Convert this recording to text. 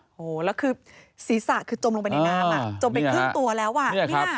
โหแล้วคือศีรษะคือจมลงไปในน้ำจมไปครึ่งตัวแล้วอ่ะ